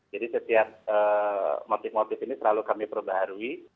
jadi setiap motif motif ini selalu kami perbaharui